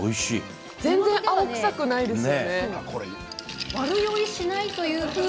全然青臭くないですよね。